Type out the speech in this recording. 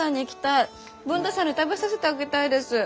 文太さんに食べさせてあげたいです。